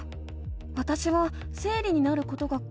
わたしは生理になることがこわくて。